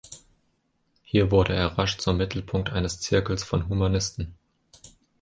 Hier wurde er rasch zum Mittelpunkt eines Zirkels von Humanisten.